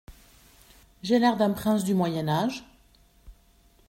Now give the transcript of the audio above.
J'ai l'air d'un prince du moyen âge ?